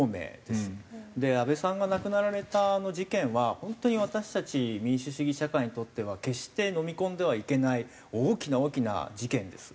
で安倍さんが亡くなられたあの事件は本当に私たち民主主義社会にとっては決してのみ込んではいけない大きな大きな事件です。